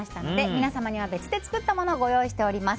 皆様には別で作ったものをご用意しております。